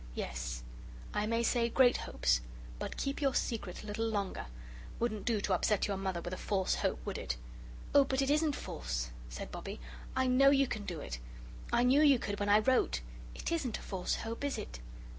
"Yes I may say great hopes. But keep your secret a little longer. Wouldn't do to upset your Mother with a false hope, would it?" "Oh, but it isn't false!" said Bobbie; "I KNOW you can do it. I knew you could when I wrote. It isn't a false hope, is it?"